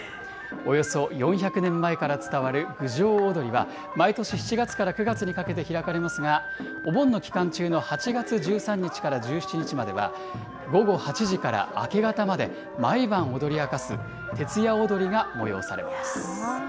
およそ４００年前から伝わる郡上おどりは毎年７月から９月にかけて開かれますが、お盆の期間中の８月１３日から１７日までは午後８時から明け方まで毎晩踊り明かす徹夜おどりが催されます。